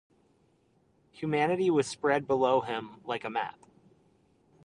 Humanity was spread below him like a map.